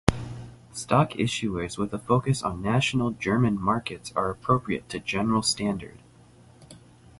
Stock issuers with a focus on national German markets are appropriate to General Standard.